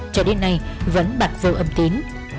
cho đến nay vẫn bạc vô âm tín